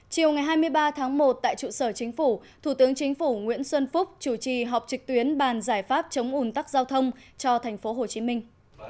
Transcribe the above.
chiều ngày hai mươi ba tháng một tại trụ sở chính phủ thủ tướng chính phủ nguyễn xuân phúc chủ trì họp trực tuyến bàn giải pháp chống ủn tắc giao thông cho thành phố hồ chí minh